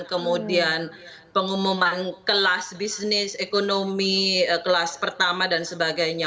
kemudian pengumuman kelas bisnis ekonomi kelas pertama dan sebagainya